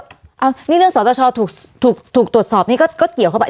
เอานี่เรื่องสตชถูกตรวจสอบนี่ก็เกี่ยวเข้าไป